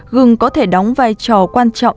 gừng có thể đóng vai trò quan trọng